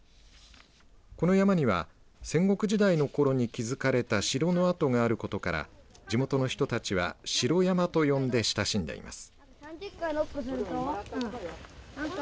この山には戦国時代のころに築かれた城の跡があることから地元の人たちは城山と呼んで親しんでいます。